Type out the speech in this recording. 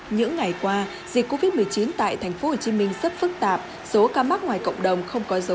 những ngày qua dịch covid một mươi chín tại tp hcm rất phức tạp số ca mắc ngoài cộng đồng không có dấu